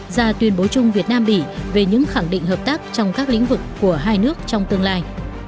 ra tuyên bố chung việt nam bỉ về những khẳng định hợp tác trong các lĩnh vực của hai nước trong tương lai